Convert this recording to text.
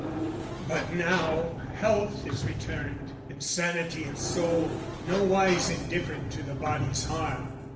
But now Health is returned, and sanity of soul Nowise indifferent to the body's harm.